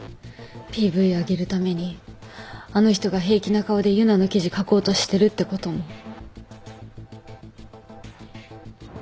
ＰＶ上げるためにあの人が平気な顔で結奈の記事書こうとしてるってことも。